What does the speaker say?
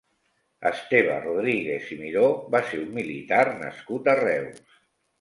Esteve Rodríguez i Miró va ser un militar nascut a Reus.